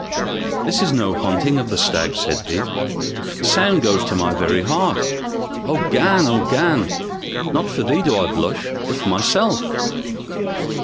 "This is no hunting of the stag," said he. "The sound goes to my very heart. O Gan! O Gan! Not for thee do I blush, but for myself.